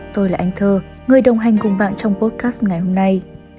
tôi là anh thơ người đồng hành cùng bạn trong podcast ngày hôm nay